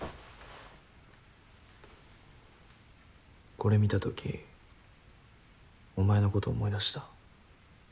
これ見たときお前のこと思い出した。